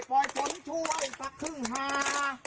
ปล่อยฝนช่วยกระขึ้งหา